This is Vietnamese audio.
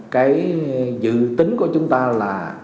cái dự tính của chúng ta là